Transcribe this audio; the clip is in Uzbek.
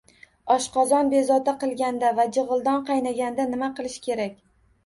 Oshqozon bezovta qilganda va jig‘ildon qaynaganda nima qilish kerak?